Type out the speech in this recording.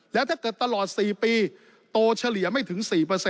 แล้วถ้าเกิดตลอด๔ปีโตเฉลี่ยไม่ถึง๔